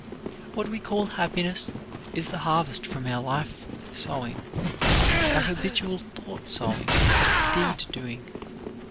What we call happiness is the harvest from our life sowing, our habitual thought sowing, deed doing.